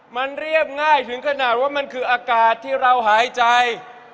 มันเรียบง่ายถึงขนาดว่ามันคืออากาศที่เราหายใจ